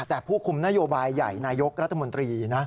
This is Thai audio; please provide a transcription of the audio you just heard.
แต่ผู้คุมนโยบายใหญ่นายกรัฐมนตรีนะ